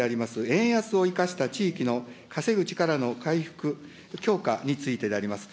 円安を生かした地域の稼ぐ力の回復強化についてであります。